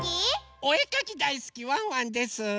おえかきだいすきワンワンです！